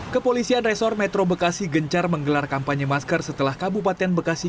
kepolisian resor metro bekasi gencar menggelar kampanye masker setelah kabupaten bekasi